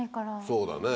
そうだね。